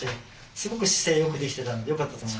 すごく姿勢よくできてたのでよかったと思います。